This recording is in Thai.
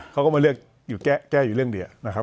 เขาก็มาแก้อยู่เรื่องเหลี่ยนะครับ